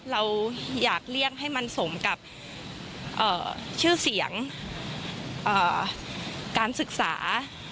เราอยากเลี่ยงให้มันสมกับชื่อเสียงการศึกษา